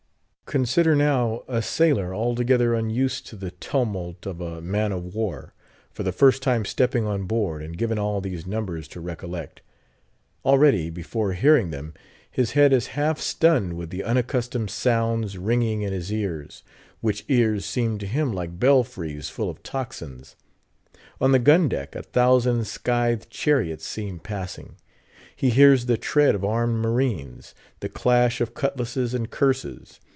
Consider, now, a sailor altogether unused to the tumult of a man of war, for the first time stepping on board, and given all these numbers to recollect. Already, before hearing them, his head is half stunned with the unaccustomed sounds ringing in his ears; which ears seem to him like belfries full of tocsins. On the gun deck, a thousand scythed chariots seem passing; he hears the tread of armed marines; the clash of cutlasses and curses.